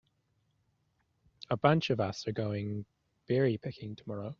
A bunch of us are going berry picking tomorrow.